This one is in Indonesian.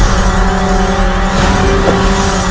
tidak ada dalaman